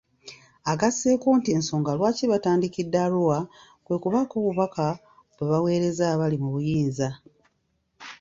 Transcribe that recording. Agasseeko nti ensonga lwaki batandikidde Arua, kwe kubaako obubaka bwe baweereza abali mu buyinza.